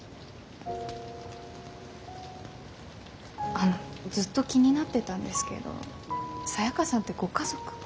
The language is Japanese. あのずっと気になってたんですけどサヤカさんってご家族は？